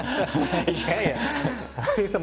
いやいや羽生さん